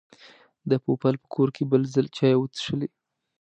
د پوپل په کور کې بل ځل چای وڅښلې.